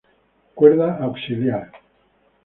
Cuerda auxiliar.